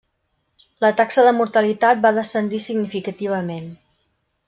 La taxa de mortalitat va descendir significativament.